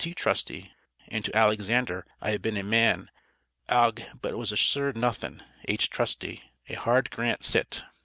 Trusty and to Alexander I have been A man agge But was assurd nuthin, H. Trusty, a hard grand citt.